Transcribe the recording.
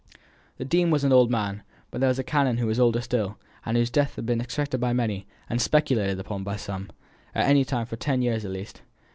The dean was an old man, but there was a canon who was older still, and whose death had been expected by many, and speculated upon by some, any time for ten years at least.